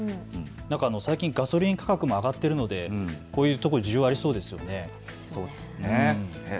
最近ガソリン価格も上がっているのでこういうところ、需要ありそうですよね。